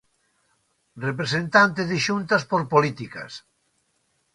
Representante de Xuntas por Políticas.